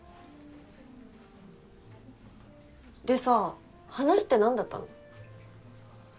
でさ話って何だったの？